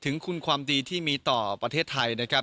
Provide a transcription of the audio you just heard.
ถึงคุณความดีที่มีต่อประเทศไทยนะครับ